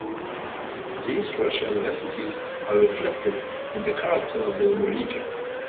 These racial diversities are reflected in the character of the religion.